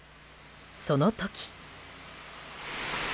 その時。